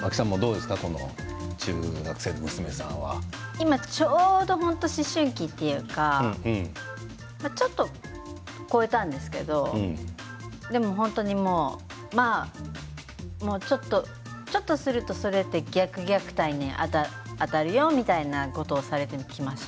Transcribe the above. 今ちょうど本当に思春期というかちょっと超えたんですけどでも本当にもう、ちょっとするとそれって逆虐待に当たるよみたいなことをされてきました。